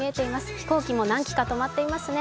飛行機も何機かとまっていますね。